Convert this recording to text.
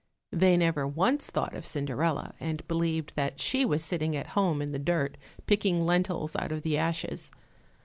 They never once thought of Cinderella, and believed that she was sitting at home in the dirt, picking lentils out of the ashes.